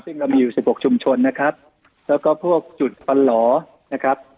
ซึ่งเรามีอยู่สิบหกชุมชนนะครับแล้วก็พวกจุดฟันหล่อนะครับ